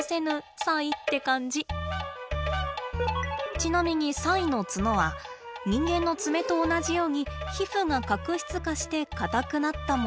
ちなみにサイの角は人間の爪と同じように皮膚が角質化して固くなったものです。